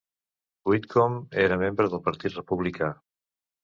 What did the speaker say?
Whitcomb era membre del partit Republicà.